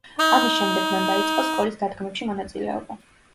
ამის შემდეგ მან დაიწყო სკოლის დადგმებში მონაწილეობა.